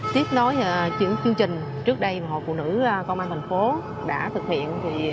tiếp nối chương trình trước đây hội phụ nữ công an tp hcm đã thực hiện